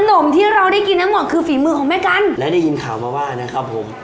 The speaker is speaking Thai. นมที่เราได้กินทั้งหมดคือฝีมือของแม่กันและได้ยินข่าวมาว่านะครับผม